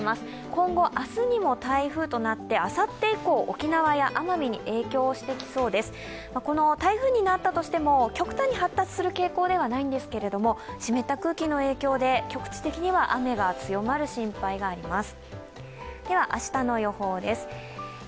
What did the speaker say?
今後、明日にも台風となってあさって以降、沖縄や奄美に影響してきそうです、台風になったとしても、極端に発達する傾向ではないんですけど、湿った空気の影響で局地的に雨が強まる可能性があります。